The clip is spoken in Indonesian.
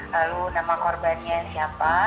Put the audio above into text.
lalu nama korbannya siapa